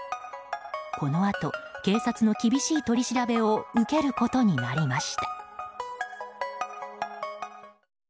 このあと警察の厳しい取り調べを受けることになりました。